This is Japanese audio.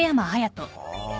ああ。